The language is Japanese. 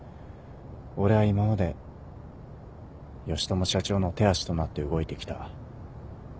俺は今まで義知社長の手足となって動いてきた。